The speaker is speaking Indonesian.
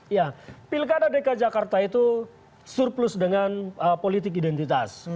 ya pilkada dki jakarta itu surplus dengan politik identitas